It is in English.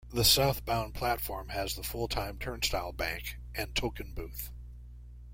The southbound platform has the full-time turnstile bank and token booth.